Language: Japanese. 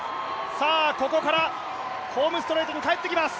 ここからホームストレートに帰っていきます。